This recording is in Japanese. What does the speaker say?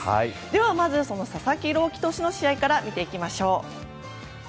では、まず佐々木朗希投手の試合から見ていきましょう。